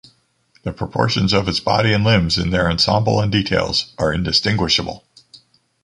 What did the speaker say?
The proportions of its body and limbs in their ensemble and details, are indistinguishable.